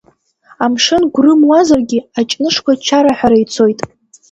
Амшын гәрымуазаргьы, Аҷнышқәа чараҳәара ицоит.